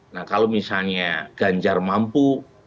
nah kalau misalnya ganjar mampu